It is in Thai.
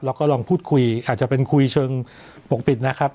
แล้วก็ลองพูดคุยอาจจะเป็นคุยเชิงปกปิดนะครับ